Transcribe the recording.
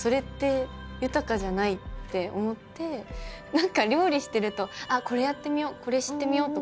何か料理してるとこれやってみようこれしてみようとか。